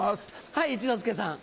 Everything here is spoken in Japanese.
はい一之輔さん。